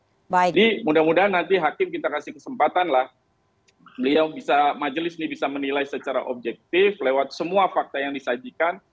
jadi mudah mudahan nanti hakim kita kasih kesempatan lah beliau bisa majelis ini bisa menilai secara objektif lewat semua fakta yang disajikan